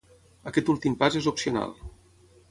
Aquest últim pas és opcional